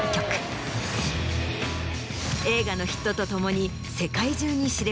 映画のヒットとともに。